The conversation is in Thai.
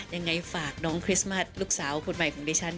ยังไงฝากน้องคริสต์มัสลูกสาวคนใหม่ของดิฉัน